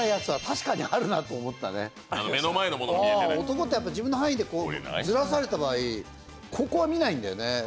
男ってやっぱり自分の範囲でずらされた場合ここは見ないんだよね。